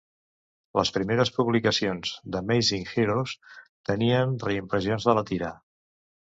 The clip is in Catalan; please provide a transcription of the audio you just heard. Les primers publicacions d'"Amazing Heroes" tenien reimpressions de la tira.